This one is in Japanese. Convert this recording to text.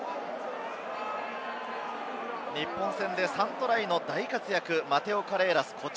日本戦で３トライの大活躍、マテオ・カレーラス。